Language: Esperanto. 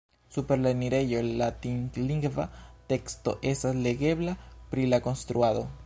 Super la enirejo latinlingva teksto estas legebla pri la konstruado.